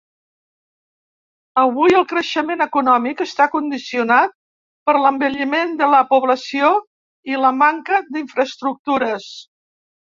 Avui el creixement econòmic està condicionat per l'envelliment de la població i la manca d'infraestructures.